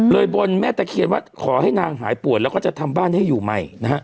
บนแม่ตะเคียนว่าขอให้นางหายป่วยแล้วก็จะทำบ้านให้อยู่ใหม่นะฮะ